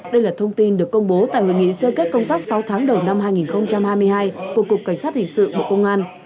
đây là thông tin được công bố tại hội nghị sơ kết công tác sáu tháng đầu năm hai nghìn hai mươi hai của cục cảnh sát hình sự bộ công an